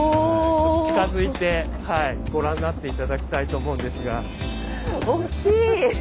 近づいてはいご覧になって頂きたいと思うんですが。